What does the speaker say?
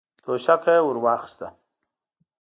توشکه يې ور واخيسته.